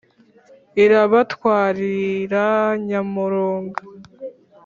irabatwarira nyamurunga.